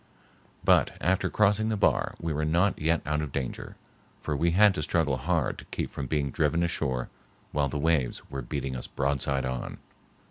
But after crossing the bar we were not yet out of danger, for we had to struggle hard to keep from being driven ashore while the waves were beating us broadside on.